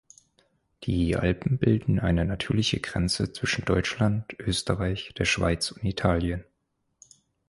Die Alpen bilden eine natürliche Grenze zwischen Deutschland, Österreich, der Schweiz und Italien.